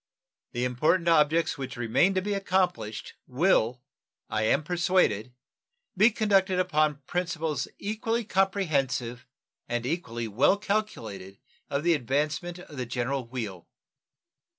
The important objects which remain to be accomplished will, I am persuaded, be conducted upon principles equally comprehensive and equally well calculated of the advancement of the general weal.